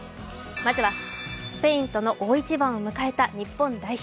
まずはスペインとの大一番を迎えた日本代表。